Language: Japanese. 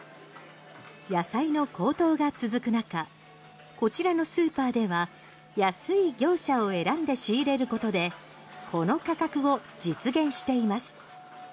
野菜の高騰が続く中こちらのスーパーでは安い業者を選んで仕入れることでこの価格を実現しています。